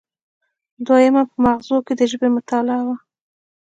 دویمه په مغزو کې د ژبې مطالعه وه